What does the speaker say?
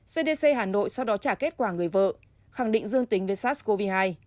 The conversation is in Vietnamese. cdc hà nội sau đó trả kết quả người vợ khẳng định dương tính với sars cov hai